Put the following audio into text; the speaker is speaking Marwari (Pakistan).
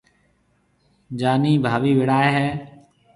جانِي ڀاوِي وڙائي ھيََََ